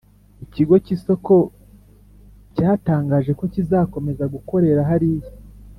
ikigo cy isoko cya tangaje ko kizakomeza gukorera hariya